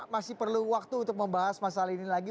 masih perlu waktu untuk membahas masalah ini lagi